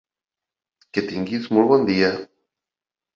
Que tinguis molt bon dia.